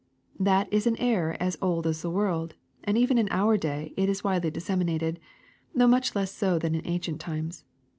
" That is an error as old as the world, and even in our day it is widely disseminated, though much less so than in ancient times.